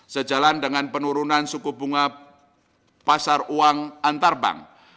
sejalan dengan penurunan suku bunga pasar uang antar bank